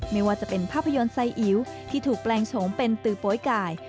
ไม่ว่าจะเป็นภาพยนตร์ไซอิ๋วที่ถูกแปลงโฉมเป็นตือโป๊ยกาย